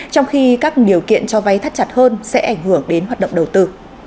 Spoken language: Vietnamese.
trong khi các điều kiện cho vay thắt chặt hơn sẽ ảnh hưởng đến hoạt động đầu tư